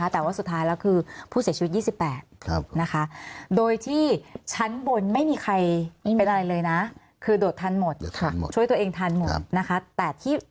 แต่ว่าสุดท้ายแล้วคือผู้เสียชีวิต๒๘นะคะ